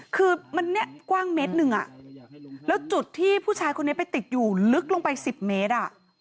คือมันนี้กว้างเมตรนึงแต่จุดที่ผู้ชายเขาเนี่ยไปติดอยู่ลึกลงไป๑๐เมตร